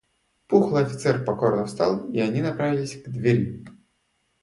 Пухлый офицер покорно встал, и они направились к двери.